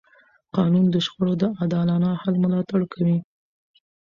قانون د شخړو د عادلانه حل ملاتړ کوي.